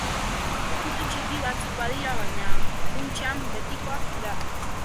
Ukitu txiki batzuk badira, baina, funtsean betikoak dira.